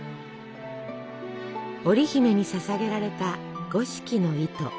織姫に捧げられた「五色の糸」。